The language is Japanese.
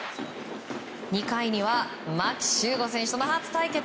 ２回には牧秀悟選手との初対決。